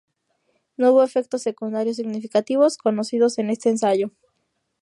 No hubo efectos secundarios significativos conocidos en este ensayo.